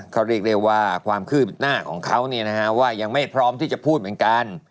เขาเรียกได้ว่าความคืบหน้าของเขาว่ายังไม่พร้อมที่จะพูดเหมือนกัน